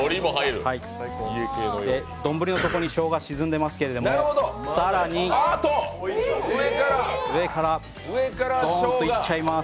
丼の底にしょうが沈んでますけど更に上からどーんといっちゃいます。